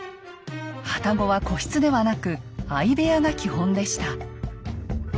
旅籠は個室ではなく相部屋が基本でした。